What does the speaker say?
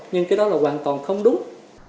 nhưng cái đó là hoàn toàn không đúng